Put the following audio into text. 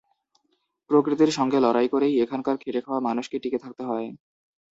প্রকৃতির সঙ্গে লড়াই করেই এখানকার খেটে খাওয়া মানুষকে টিকে থাকতে হয়।